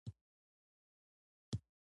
پر حشوي – ظاهري الهیاتو بنا و.